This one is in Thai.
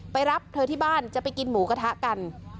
รับเธอที่บ้านจะไปกินหมูกระทะกัน